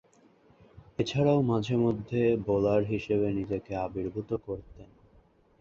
এছাড়াও মাঝে-মধ্যে বোলার হিসেবে নিজেকে আবির্ভূত করতেন।